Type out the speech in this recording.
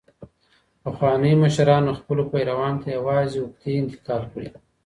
پخوانیو مشرانو خپلو پیروانو ته یوازي عقدې انتقال کړې.